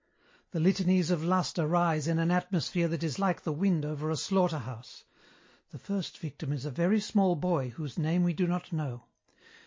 "The litanies of lust arise in an atmosphere that is like the wind over a slaughter house. The first victim is a very small boy whose name we do not know.